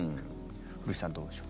古市さん、どうでしょう。